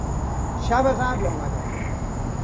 شب قبل آمده بودند.